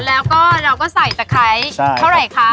แล้วก็เราก็ใส่ตะไคร้เท่าไหร่คะ